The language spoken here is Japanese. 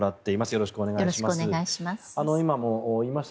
よろしくお願いします。